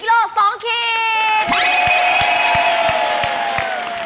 ๑กิโล๒คิด